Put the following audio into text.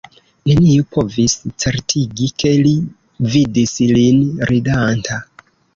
Neniu povis certigi, ke li vidis lin ridanta.